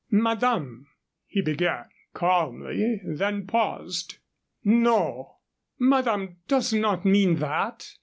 "Madame," he began, calmly, then paused. "No, madame does not mean that."